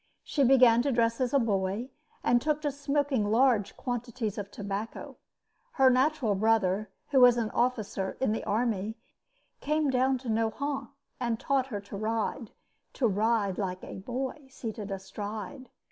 She began to dress as a boy, and took to smoking large quantities of tobacco. Her natural brother, who was an officer in the army, came down to Nohant and taught her to ride to ride like a boy, seated astride.